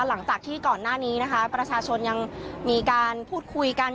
หลังจากที่ก่อนหน้านี้นะคะประชาชนยังมีการพูดคุยกัน